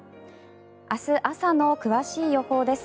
明日朝の詳しい予報です。